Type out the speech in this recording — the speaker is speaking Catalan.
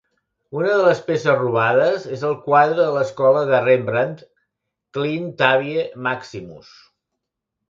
Una de les peces robades és el quadre de l'escola de Rembrandt 'Klint Tabie Maximus'.